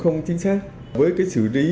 không chính xác với cái xử trí